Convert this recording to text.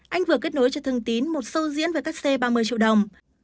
anh vừa kết nối cho thương tín một show diễn với các xe ba mươi triệu đồng